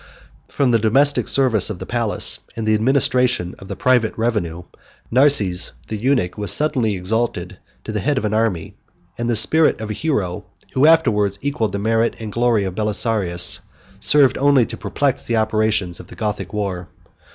From the domestic service of the palace, and the administration of the private revenue, Narses the eunuch was suddenly exalted to the head of an army; and the spirit of a hero, who afterwards equalled the merit and glory of Belisarius, served only to perplex the operations of the Gothic war.